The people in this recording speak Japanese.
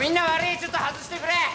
ちょっと外してくれ！